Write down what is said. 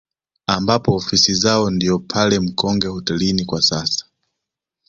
Ambapo ofisi zao ndio pale Mkonge hotelini kwa sasa